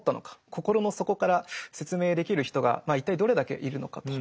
心の底から説明できる人が一体どれだけいるのかと。